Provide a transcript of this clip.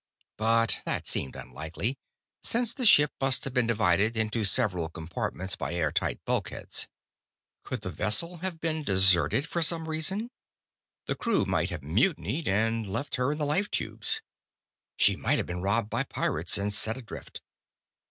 But that seemed unlikely, since the ship must have been divided into several compartments by air tight bulkheads. Could the vessel have been deserted for some reason? The crew might have mutinied, and left her in the life tubes. She might have been robbed by pirates, and set adrift.